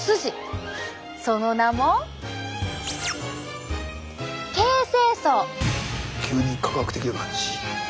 その名も急に科学的な感じ。